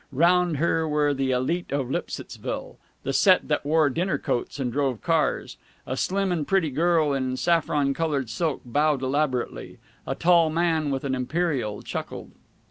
Round her were the élite of Lipsittsville the set that wore dinner coats and drove cars. A slim and pretty girl in saffron colored silk bowed elaborately. A tall man with an imperial chuckled.